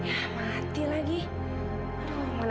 aku gak pengen digunakan